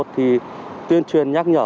thì tuyên truyền nhắc nhở